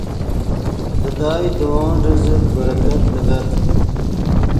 خدائے دے ون رزق برکت لیغت